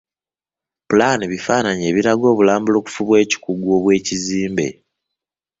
Pulaani bifaananyi ebiraga obulambulukufu obw'ekikugu obw'ekizimbe.